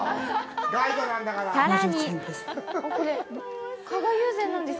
さらに加賀友禅です。